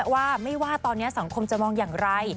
ว่าไม่ว่าตอนนี้สังคมจะมองอย่างไร